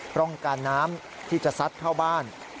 ป้องกันน้ำที่จะซัดเข้าบ้าน